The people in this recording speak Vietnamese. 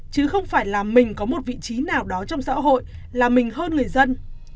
chứ không phải là mình có một vị trí nào đó trong xã hội là mình hơn người dân